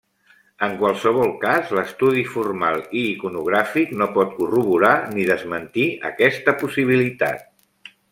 En qualsevol cas l'estudi formal i iconogràfic no pot corroborar ni desmentir aquesta possibilitat.